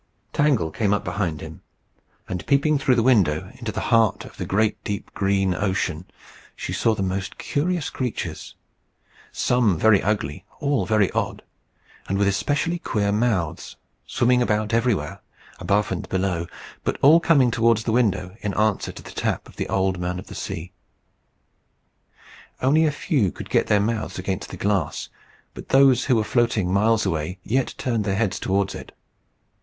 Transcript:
Tangle came up behind him, and peeping through the window into the heart of the great deep green ocean, saw the most curious creatures, some very ugly, all very odd, and with especially queer mouths, swimming about everywhere, above and below, but all coming towards the window in answer to the tap of the Old Man of the Sea. Only a few could get their mouths against the glass; but those who were floating miles away yet turned their heads towards it.